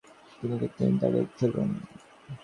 আমি কিছু না বলে বিমলার মুখের দিকে চেয়ে দাঁড়িয়ে রইলুম।